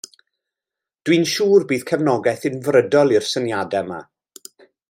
Dwi'n siŵr bydd cefnogaeth unfrydol i'r syniada' 'ma.